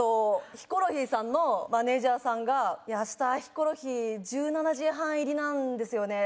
ヒコロヒーさんのマネジャーさんが「いや明日ヒコロヒー１７時半入りなんですよね」